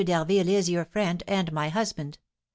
d'Harville is your friend and my husband.